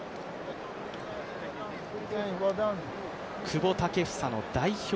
久保建英の代表